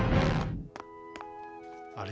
あれ？